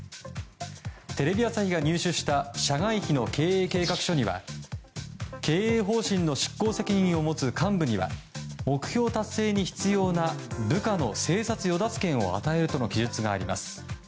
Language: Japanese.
テレビ朝日が入手した社外秘の経営計画書には経営方針の執行責任を持つ幹部には目標達成に必要な部下の生殺与奪権を与えるとの記述があります。